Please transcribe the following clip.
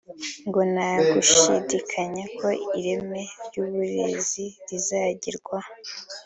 ngo nta gushidikanya ko ireme ry’uburezi rizagerwaho